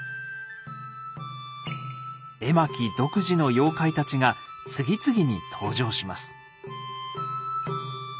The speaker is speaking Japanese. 絵巻独自の妖怪たちが次々に登場します。